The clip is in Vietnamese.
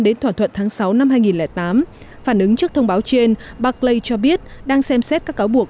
vào tháng sáu năm hai nghìn tám phản ứng trước thông báo trên barclays cho biết đang xem xét các cáo buộc